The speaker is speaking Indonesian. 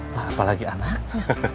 nah apalagi anaknya